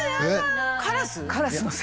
カラス？